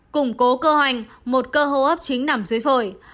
củng cố cơ hoành một cơ hô hấp chính nằm dưới phổi